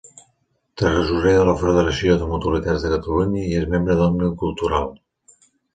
Tresorer de la Federació de Mutualitats de Catalunya i és membre d'Òmnium Cultural.